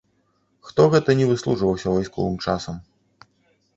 Хто гэта ні выслужваўся вайсковым часам.